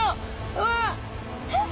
うわ！えっ？